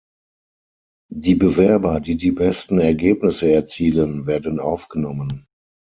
Die Bewerber, die die besten Ergebnisse erzielen, werden aufgenommen.